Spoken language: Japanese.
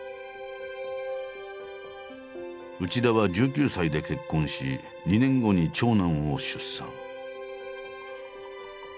内田は１９歳で結婚し２年後に長男を出産。